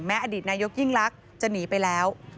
แม้อดีตนายกยิ่งรักจะหนีไปแล้ว